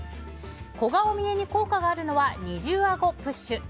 小顔見えに効果があるのは二重あごプッシュ。